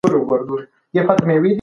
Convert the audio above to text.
قانون د بېثباتۍ پر وړاندې خنډ جوړوي.